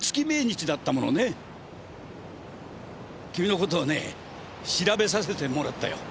君のことをねえ調べさせてもらったよ。